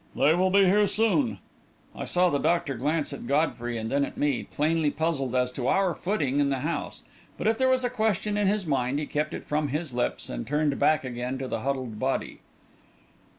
"They will be here soon." I saw the doctor glance at Godfrey and then at me, plainly puzzled as to our footing in the house; but if there was a question in his mind, he kept it from his lips and turned back again to the huddled body.